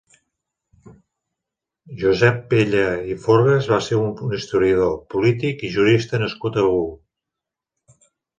Josep Pella i Forgas va ser un historiador, polític i jurista nascut a Begur.